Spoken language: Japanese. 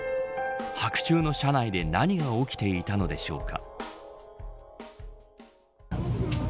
白昼の車内で何が起きていたのでしょうか。